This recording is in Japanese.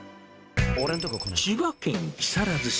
千葉県木更津市。